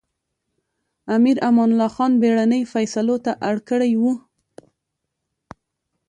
امیر امان الله خان بېړنۍ فېصلو ته اړ کړی و.